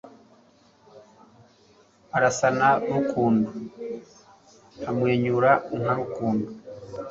Arasa na Rukundo, amwenyura nka Rukundo,